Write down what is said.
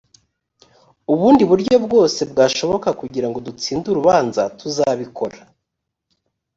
ubundi buryo bwose bwashoboka kugirango dutsinde urubanza tuzabikora